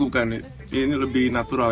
bukan ini lebih natural